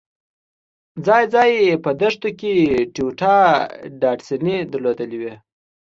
ځای ځای په دښتو کې ټویوټا ډاډسنې درولې وې.